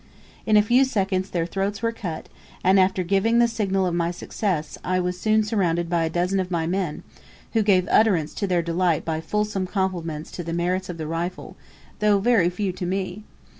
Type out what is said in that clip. In a few seconds their throats were cut, and after giving the signal of my success, I was soon surrounded by a dozen of my men, who gave utterance to their delight by fulsome compliments to the merits of the rifle, though very few to me.